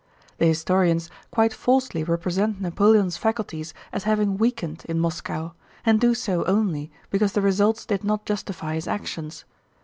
The historians quite falsely represent Napoleon's faculties as having weakened in Moscow, and do so only because the results did not justify his actions.